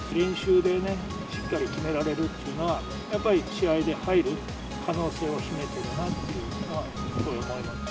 練習でね、しっかり決められるっていうのは、やっぱり試合で入る可能性を秘めてるなっていうのは思います。